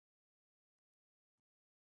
隆兴二年赐同进士出身。